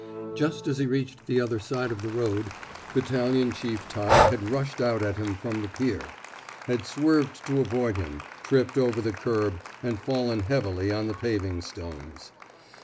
Just as he had reached the other side of the road, Battalion Chief Tighe had rushed out at him from the pier, had swerved to avoid him, tripped over the curb, and fallen heavily on the paving stones.